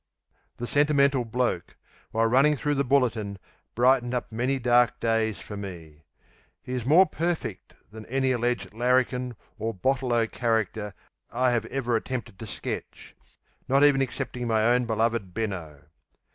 "The Sentimental Bloke", while running through the Bulletin, brightened up many dark days for me. He is more perfect than any alleged "larrikin" or Bottle O character I have ever attempted to sketch, not even excepting my own beloved Benno.